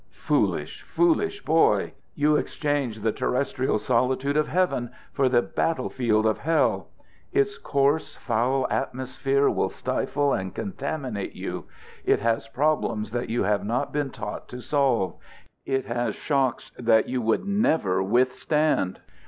Foolish, foolish boy! You exchange the terrestrial solitude of heaven for the battle field of hell. Its coarse, foul atmosphere will stifle and contaminate you. It has problems that you have not been taught to solve. It has shocks that you would never withstand.